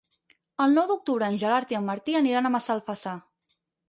El nou d'octubre en Gerard i en Martí iran a Massalfassar.